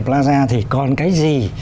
plaza thì còn cái gì